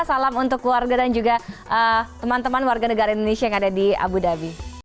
salam untuk keluarga dan juga teman teman warga negara indonesia yang ada di abu dhabi